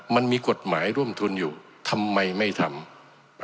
มันมีกฎหมายร่วมทุนอยู่ทำไมไม่ทำ